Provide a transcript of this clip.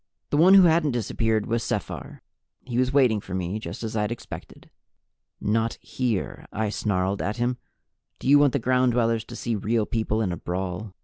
The one who hadn't disappeared was Sephar. He was waiting for me, just as I'd expected. "Not here!" I snarled at him. "Do you want the Ground Dwellers to see Real People in a brawl?"